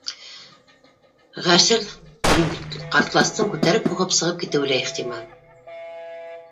Ғәрсел кнртластың күтәреп һуғып сығып китеүе лә ихтимал